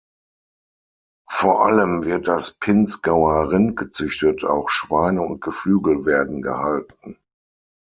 Vor allem wird das Pinzgauer Rind gezüchtet, auch Schweine und Geflügel werden gehalten.